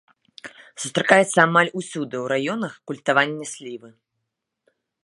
Сустракаецца амаль усюды ў раёнах культывавання слівы.